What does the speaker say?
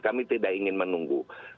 kami tidak ingin menunggu